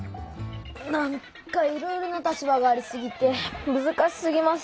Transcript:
なんかいろいろな立場がありすぎてむずかしすぎます。